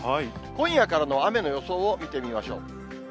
今夜からの雨の予想を見てみましょう。